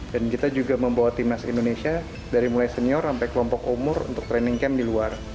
dan kita juga membawa tim nas indonesia dari mulai senior sampai kelompok umur untuk training camp di luar